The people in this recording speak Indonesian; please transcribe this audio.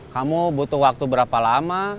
kamu butuh waktu berapa lama